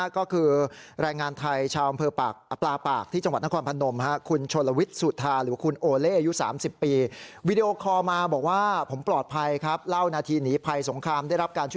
ก็คือรายงานไทยชาวอำเภอปลาปาก